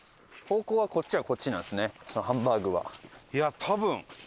方向はこっちはこっちなんですねハンバーグは。